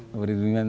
pak freddy budiman